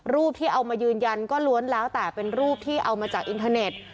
รูปที่เอามายืนยันก็ล้วนแล้วแต่เป็นรูปที่เอามาจากอินเทอร์เน็ต